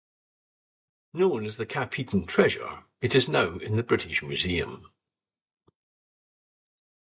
Known as the Capheaton Treasure, it is now in the British Museum.